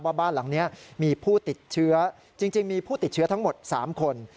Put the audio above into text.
บ้านหลังนี้มีผู้ติดเชื้อจริงมีผู้ติดเชื้อทั้งหมด๓คน